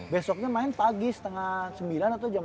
besoknya main pagi setengah sembilan atau jam delapan